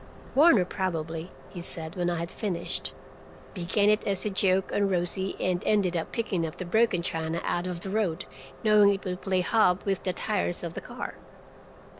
"Warner probably," he said when I had finished. "Began it as a joke on Rosie, and ended by picking up the broken china out of the road, knowing it would play hob with the tires of the car."